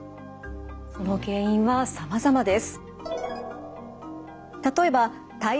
その原因はさまざまです。